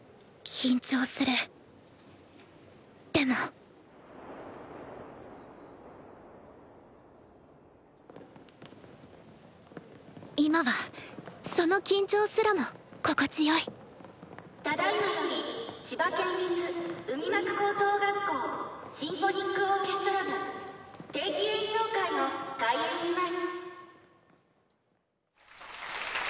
でも今はその緊張すらも心地よい「ただいまより千葉県立海幕高等学校シンフォニックオーケストラ部定期演奏会を開演します」。